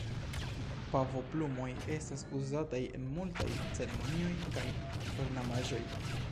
Pavoplumoj estas uzataj en multaj ceremonioj kaj ornamaĵoj.